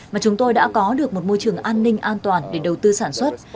mà chúng tôi đã có được một môi trường an ninh an toàn để đầu tư sản xuất